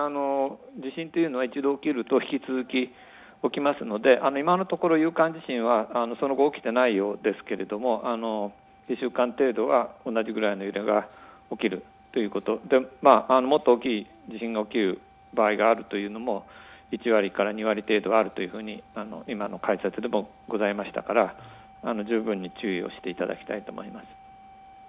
地震というのは一度起きると、引き続き起きますので、今のところ有感地震はその後、起きていないようですけど、１週間程度は同じような揺れが起きるということ、もっと大きい地震が起きる場合があるというのも１２割程度あると、今の解説でもございましたから、十分に注意をしていただきたいと思います。